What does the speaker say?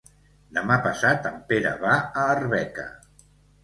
Demà passat en Pere va a Arbeca.